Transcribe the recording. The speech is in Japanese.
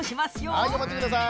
はいがんばってください。